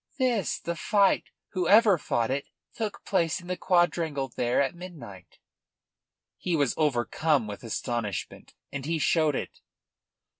"This. The fight whoever fought it took place in the quadrangle there at midnight." He was overcome with astonishment, and he showed it.